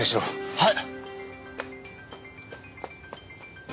はい！